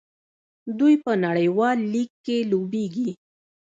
دوی په نړیوال لیګ کې لوبېږي.